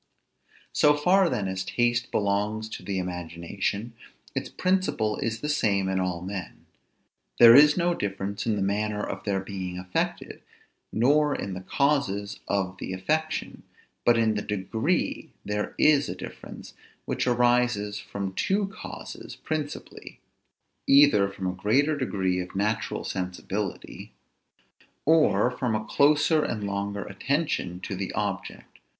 So far then as taste belongs to the imagination, its principle is the same in all men; there is no difference in the manner of their being affected, nor in the causes of the affection; but in the degree there is a difference, which arises from two causes principally; either from a greater degree of natural sensibility, or from a closer and longer attention to the object.